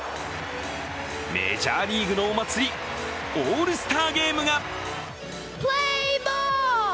メジャーリーグのお祭り、オールスターゲームが。